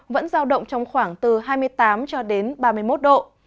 vẫn giao động trong khoảng từ hai mươi tám cho đến ba mươi một độ